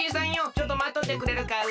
ちょっとまっとってくれるか。